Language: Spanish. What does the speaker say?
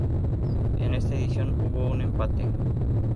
En esta edición hubo un empate.